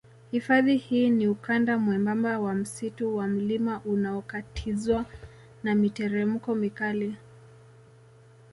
Hifadhi hii ni ukanda mwembamba wa msitu wa mlima unaokatizwa na miteremko mikali